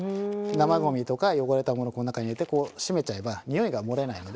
生ゴミとか汚れたものをこの中に入れてこう閉めちゃえば臭いが漏れないので。